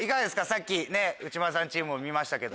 さっき内村さんチームを見ましたけど。